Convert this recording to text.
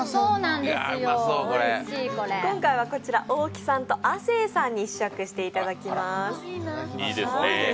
今回はこちら、大木さんと亜生さんに試食していただきます。